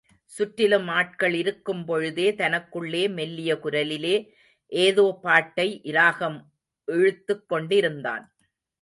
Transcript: சுற்றிலும் ஆட்கள் இருக்கும்பொழுதே, தனக்குள்ளே மெல்லிய குரலிலே ஏதோ பாட்டை இராகம் இழுத்துக் கொண்டிருந்தான்.